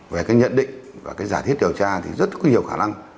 về cái nhận định và cái giả thiết điều tra thì rất có nhiều khả năng